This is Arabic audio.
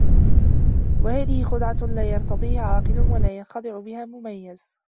وَهَذِهِ خُدْعَةٌ لَا يَرْتَضِيهَا عَاقِلٌ وَلَا يَنْخَدِعُ بِهَا مُمَيِّزٌ